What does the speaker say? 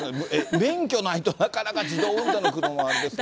免許ないとなかなか自動運転の車もあれですが。